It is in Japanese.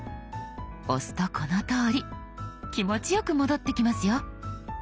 押すとこのとおり気持ちよく戻ってきますよ。